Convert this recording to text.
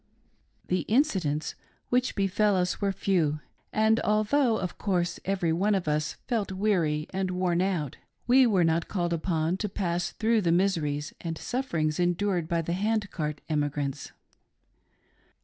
The incidents which befell us were few, and although, of course, every one of us ;felt weary and worn out, Tve were not called 'upon to pass through the miseries and sufferings endured by the hand cart emigrants.